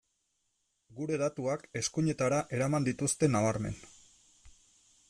Gure datuak eskuinetara eraman dituzte nabarmen.